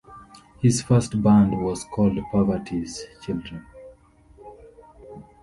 His first band was called Poverty's Children.